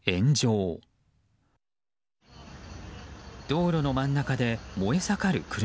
道路の真ん中で燃え盛る車。